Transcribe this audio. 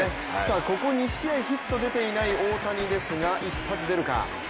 ここ２試合ヒットが出ていない大谷ですが、一発出るか。